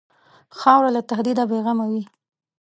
خاوره له تهدیده بېغمه وي.